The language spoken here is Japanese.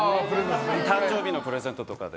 誕生日のプレゼントとかで。